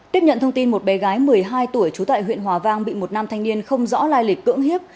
tiếp nhận thông tin một bé gái một mươi hai tuổi trú tại huyện hòa vang bị một nam thanh niên không rõ lai lịch cưỡng hiếp